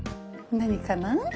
何かなぁ？